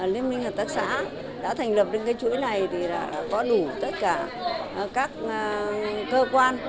liên minh hợp tác xã đã thành lập lên cái chuỗi này thì đã có đủ tất cả các cơ quan